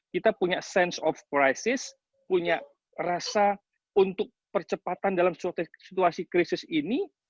kita punya sense of crisis punya rasa untuk percepatan dalam situasi krisis ini